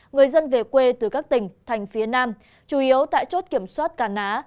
người dân về quê từ các tỉnh thành phía nam chủ yếu tại chốt kiểm soát cà ná